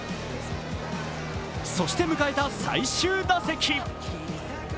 そして迎えた最終打席。